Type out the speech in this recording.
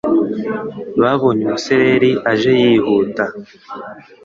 Babonye umusereri aje yihuta.